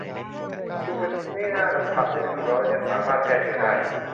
ยุงเป็นที่น่ารำคาญในฤดูร้อนและยังสามารถแพร่เชื้อได้